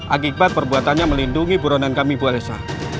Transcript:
akibat perbuatannya melindungi peronan kami buat elsa